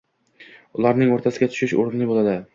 ularning o‘rtasiga tushish o‘rinli bo‘ladi.